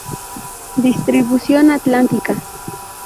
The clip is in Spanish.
Distribución atlántica.